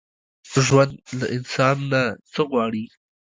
ژوند له انسان نه څه غواړي؟